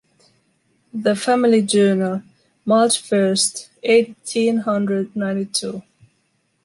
THE FAMILY JOURNAL, March first, eighteen hundred ninety-two.